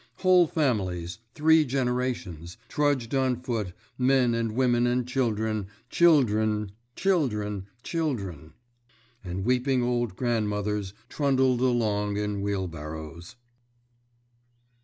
Whole families—three generations—trudged on foot, men and women and children, children, children, children, and weeping old grandmothers trundled along in wheelbarrows.